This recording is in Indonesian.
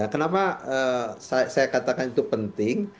kenapa saya katakan itu penting